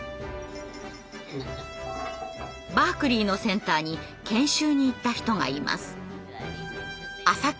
バークリーのセンターに研修に行った人がいます。